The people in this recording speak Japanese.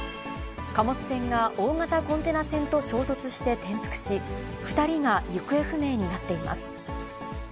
貨物船が大型コンテナ船と衝突して転覆し、２人が行方不明になっています。